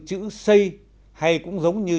chữ xây hay cũng giống như